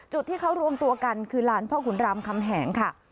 จุดที่เขารวมตัวกันคือลานพ่อขุนรามคำแหงค่ะ